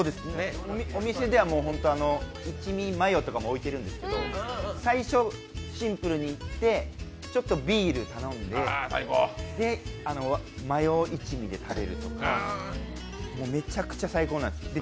お店では七味マヨとかも置いてるんですけど、最初、シンプルにいって、ちょっとビール飲んで、マヨ一味で食べるとか、めちゃくちゃ最高なんです。